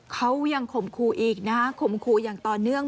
เขายังขมครูอีกนะขมครูอย่างต่อเนื่อง